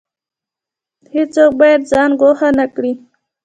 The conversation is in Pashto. هیڅوک باید ځان ګوښه نکړي